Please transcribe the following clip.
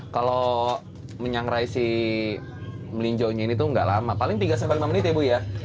kalau menyangrai si melinjonya ini tuh gak lama paling tiga sampai lima menit ya bu ya